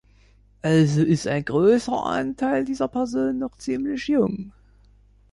Also ist ein großer Anteil dieser Personen noch ziemlich jung.